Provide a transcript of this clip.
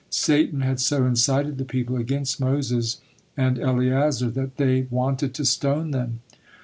Satan had so incited the people against Moses and Eleazar that they wanted to stone them.